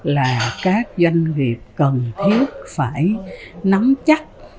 là các doanh nghiệp cần thiết phải nắm chắc